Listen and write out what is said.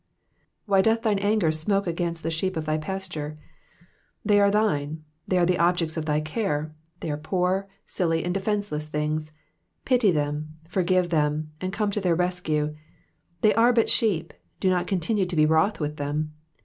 Why doth thine anger innoke against tlie nfieep of thy patsturer^ They are thine, they are the objects of thy care, they are poor, silly, and defenceless things : pity them, forgive them, and come to their rescue. They are but sheep, do not continue to be wroth with them.